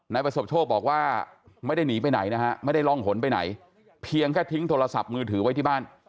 ประสบโชคบอกว่าไม่ได้หนีไปไหนนะฮะไม่ได้ร่องหนไปไหนเพียงแค่ทิ้งโทรศัพท์มือถือไว้ที่บ้าน